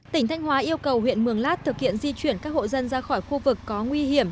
tỉnh thanh hóa yêu cầu huyện mường lát thực hiện di chuyển các hộ dân ra khỏi khu vực có nguy hiểm